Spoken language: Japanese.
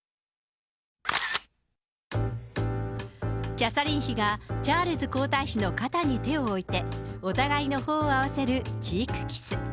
キャサリン妃が、チャールズ皇太子の肩に手を置いて、お互いのほおを合わせるチークキス。